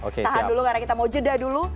tahan dulu karena kita mau jeda dulu